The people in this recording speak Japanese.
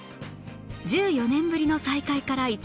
１４年ぶりの再会から１年